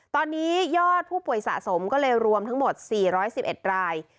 ตอนนี้ยอดผู้ป่วยสะสมก็เลยรวมทั้งหมด๔๑๑ราย